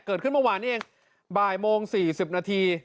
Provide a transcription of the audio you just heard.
เกิดขึ้นเมื่อวานนี้เองบ่ายโมง๔๐นาที